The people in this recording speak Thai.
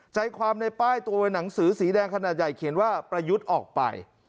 ใจความในป้ายตัวหนังสือสีแดงขนาดใหญ่เขียนว่าประยุทธ์ออกไป